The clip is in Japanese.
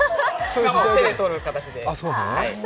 手でとる形で。